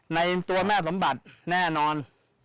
ในตัวแม่สมบัติแน่นอน